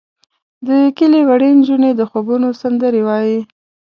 د کلي وړې نجونې د خوبونو سندرې وایې.